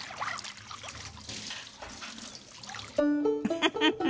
フフフフ。